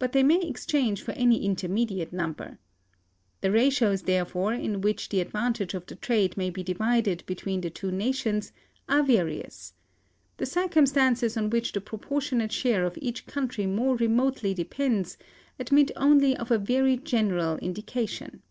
But they may exchange for any intermediate number. The ratios, therefore, in which the advantage of the trade may be divided between the two nations are various. The circumstances on which the proportionate share of each country more remotely depends admit only of a very general indication."